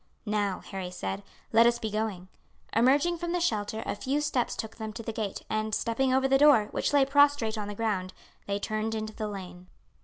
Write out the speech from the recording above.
"Now," Harry said, "let us be going." Emerging from the shelter, a few steps took them to the gate, and stepping over the door, which lay prostrate on the ground, they turned into the lane.